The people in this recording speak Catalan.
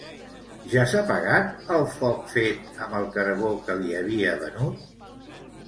Ja s'ha apagat el foc fet amb el carbó que li havia venut?